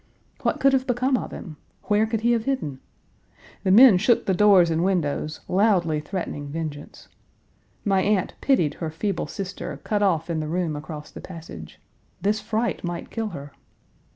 What could have become of him? Where could he have hidden? The men shook the doors and windows, loudly threatening vengeance. My aunt pitied her feeble sister, cut off in the room across the passage. This fright might kill her!